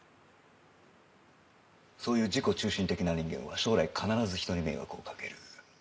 そういう自己中心的な人間は将来必ず人に迷惑をかける。